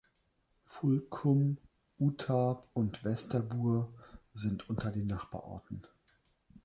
Fulkum, Utarp und Westerbur sind unter den Nachbarorten.